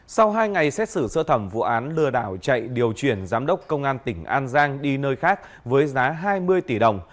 sau hai ngày xét xử sơ thẩm vụ án lừa đảo chạy điều chuyển giám đốc công an tỉnh an giang đi nơi khác với giá hai mươi tỷ đồng